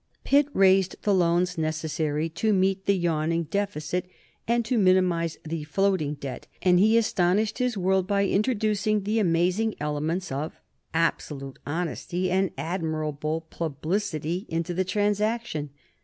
Pitt raised the loans necessary to meet the yawning deficit and to minimize the floating debt, and he astonished his world by introducing the amazing elements of absolute honesty and admirable publicity into the transaction.